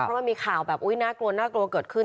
เพราะมันมีข่าวแบบอุ๊ยน่ากลัวน่ากลัวเกิดขึ้น